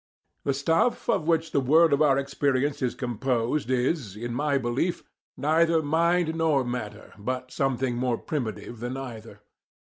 The stuff of which the world of our experience is composed is, in my belief, neither mind nor matter, but something more primitive than either.